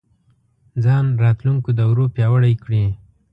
ځان راتلونکو دورو پیاوړی کړي